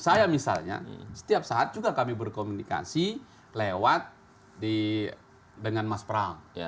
saya misalnya setiap saat juga kami berkomunikasi lewat dengan mas pram